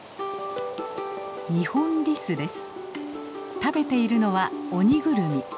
食べているのはオニグルミ。